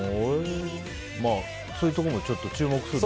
そういうところも注目して。